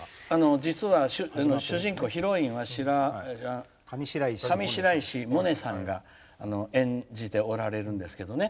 実は主人公、ヒロインは上白石萌音さんが演じておられるんですけどね。